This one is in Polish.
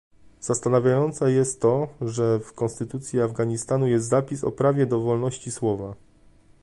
Zastanawiające jest to, że w konstytucji Afganistanu jest zapis o prawie do wolności słowa